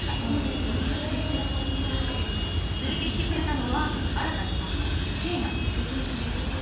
連れてきてくれたのは新たに借りた一軒家。